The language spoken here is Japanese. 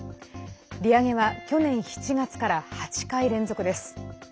利上げは去年７月から８回連続です。